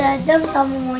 capek aduh bareng kawan pereka